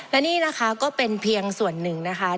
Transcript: และนี่นะคะก็เป็นเพียงส่วนหนึ่งนะคะ